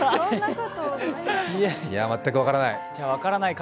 いや、全く分からない。